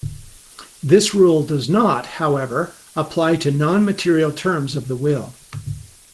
This rule does not, however, apply to non-material terms of the will.